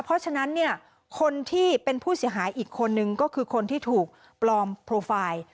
เพราะฉะนั้นเนี่ยคนที่เป็นผู้เสียหายอีกคนนึงก็คือคนที่ถูกปลอมโปรไฟล์